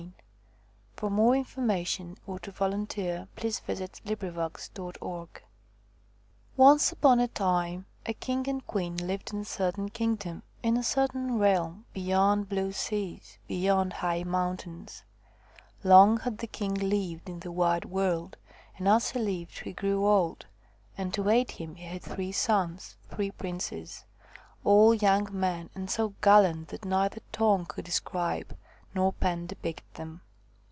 When they got there they lived happily ever after. THE FROG QUEEN THE FROG QUEEN INCE upon a time a king and queen lived in a certain kingdom, in a cer tain realm, beyond blue seas, beyond high mountains. Long had the king lived in the white world, and as he lived he grew old, and to aid him he had three sons, three princes all young men and so gallant that neither tongue could describe nor pen depict them.